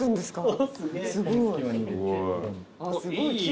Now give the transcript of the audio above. すごい。